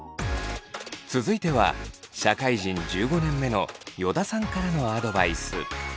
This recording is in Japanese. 続いては社会人１５年目の依田さんからのアドバイス。